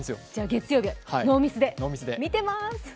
月曜日、ノーミスで見てます。